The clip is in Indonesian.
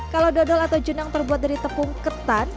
kalau dodol atau jenang terbuat dari tepung ketan